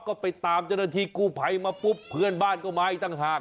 ก็ไปตามจนทีกู้ภัยมาปุ๊บเพื่อนบ้านก็มาให้ตั้งทาง